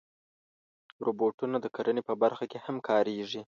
روبوټونه د کرنې په برخه کې هم کارېږي.